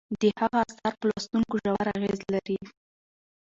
د هغه اثار په لوستونکو ژور اغیز لري.